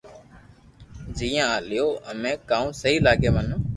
جئين ليو ھمي ڪاو سھي لاگي منو